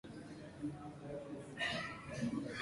Mifugo iliyoathirika na ugonjwa wa majimoyo hutafuta kivuli